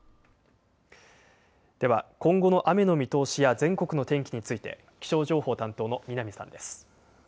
では今後の雨の見通しや全国の天気について気象情報担当の南さんです。